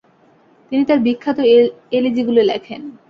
তিনি তার বিখ্যাত এলিজিগুলো লেখেন।